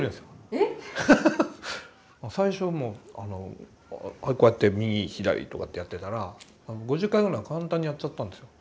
最初もうこうやって右左とかってやってたら５０回ぐらい簡単にやっちゃったんです。